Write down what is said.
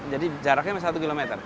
jadi jaraknya satu kilometer